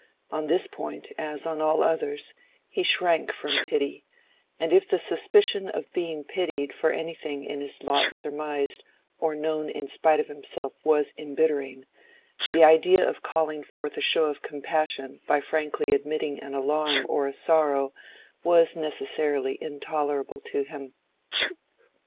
On this point, as on all others, he shrank from pity; and if the suspicion of being pitied for anything in his lot surmised or known in spite of himself was embittering, the idea of calling forth a show of compassion by frankly admitting an alarm or a sorrow was necessarily intolerable to him.